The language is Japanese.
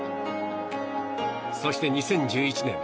そして、２０１１年